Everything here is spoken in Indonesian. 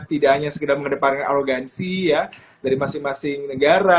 tidak hanya segera menghadapkan alokansi dari masing masing negara